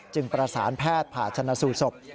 ประสานแพทย์ผ่าชนะสูตรศพ